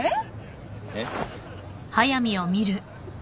えっ？